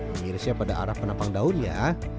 mengirisnya pada arah penampang daun ya